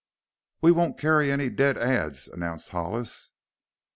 "We won't carry any dead ads!" announced Hollis.